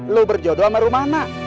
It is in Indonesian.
lo berjodoh sama rumah nak